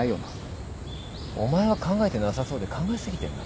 お前は考えてなさそうで考え過ぎてんな。